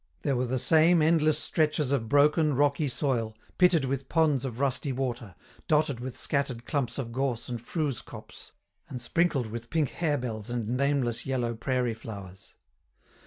There were the same endless stretches of broken, rocky soil, pitted with ponds of rusty water, dotted with scattered clumps of gorse and fruze copse, and sprinkled with pink harebells and nameless yellow prairie flowers.